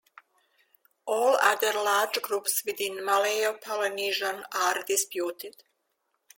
All other large groups within Malayo-Polynesian are disputed.